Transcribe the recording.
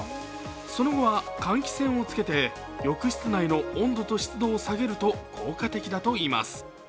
その後は換気扇をつけて浴室内の温度と湿度を下げると効果的だといいます。